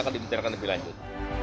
akan diterapkan lebih lanjut